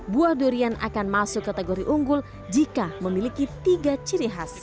buah durian akan masuk kategori unggul jika memiliki tiga ciri khas